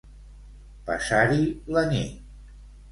Passar-hi la nit.